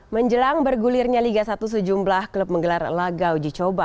menjelang bergulirnya liga satu sejumlah klub menggelar laga uji coba